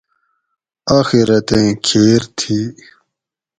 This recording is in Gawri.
"آۤخرتیں کھیر تھی"""